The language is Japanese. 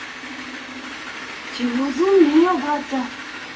上手ねえおばあちゃん。